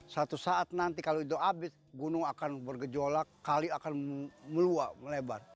suatu saat nanti kalau itu habis gunung akan bergejolak kali akan meluap melebar